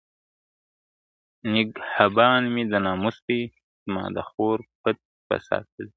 نګهبان مي د ناموس دی زما د خور پت په ساتلی ..